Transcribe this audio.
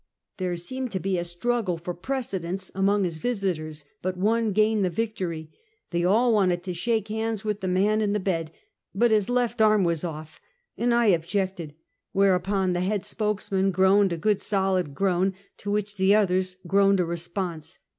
There seemed to be a struggle for precedence among his visitors, but one gained the victory. They all wanted to shake hands with the man in the bed, but his left arm was oif, and I objected; whereupon the head spokesman groaned a good solid groan, to which the others groaned a response.